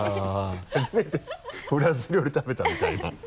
初めてフランス料理食べたみたいな